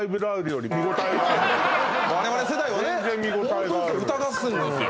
我々世代はね全然見応えがあるホントですよ